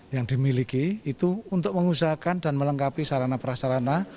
yang dimiliki itu untuk mengusahakan dan melengkapi sarana prasarana